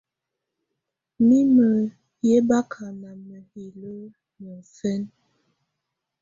Mimǝ̀ yɛ baka nà mahilǝ niɔ̀fɛna.